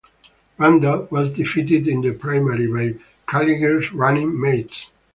Randall was defeated in the primary by Caliguire's running mates.